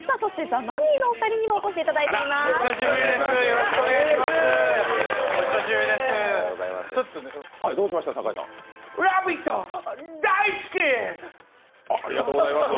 ザ・マミィのお二人にもお越しいただいてます。